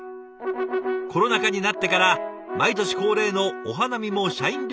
コロナ禍になってから毎年恒例のお花見も社員旅行も全て中止。